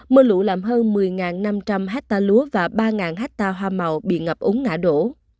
mưa lũ làm hơn một mươi năm trăm linh hecta lúa và ba hecta hoa màu bị ngập úng nả đổ